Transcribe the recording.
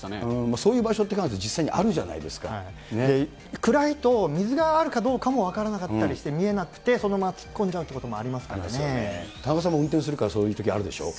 そういう場所って、萱野さん、暗いと水があるかどうかも分からなかったりして見えなくて、そのまま突っ込んじゃうというこ田中さんも運転するから、そういうときあるでしょう？